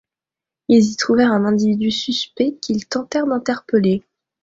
Ils y trouvèrent un individu suspect qu'ils tentèrent d'interpeller.